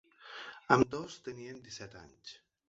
Ambdós tenien disset anys.